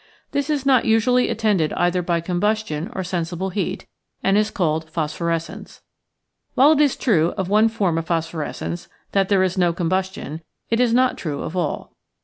This is not usu ally attended either by combustion or sensi ble heat, and is called phosphorescence. While it is true of one form of phosphorescence that there is no combustion, it is not true of all.